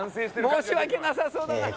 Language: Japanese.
申し訳なさそうだな。